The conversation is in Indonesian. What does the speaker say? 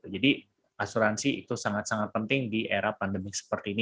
jadi asuransi itu sangat sangat penting di era pandemi seperti ini